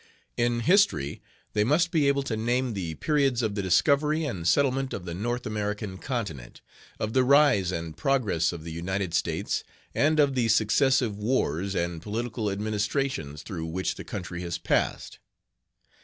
In HISTORY they must be able to name the periods of the discovery and settlement of the North American continent, of the rise and progress of the United States, and of the successive wars and political administrations through which the country has passed.